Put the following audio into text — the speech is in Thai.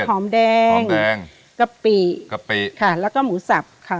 หอมแดงหอมแดงกะปิกะปิค่ะแล้วก็หมูสับค่ะ